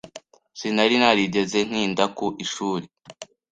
Sinari narigeze ntinda ku ishuri.